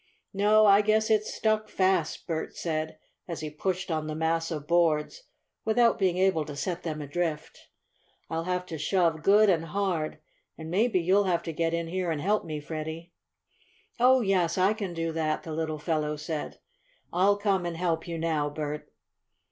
"No, I guess it's stuck fast," Bert said, as he pushed on the mass of boards without being able to send them adrift. "I'll have to shove good and hard, and maybe you'll have to get in here and help me, Freddie." "Oh, yes, I can do that!" the little fellow said. "I'll come and help you now, Bert."